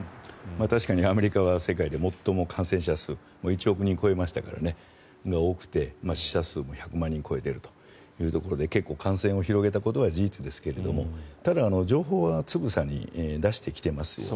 確かにアメリカは世界で最も感染者数が１億人を超えましたから、多くて死者数も１００万人を超えているということで結構、感染を広げたことは事実ですがただ、情報はつぶさに出してきていますよね。